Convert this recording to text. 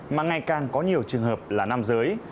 mà ngày càng có nhiều trường hợp là nam giới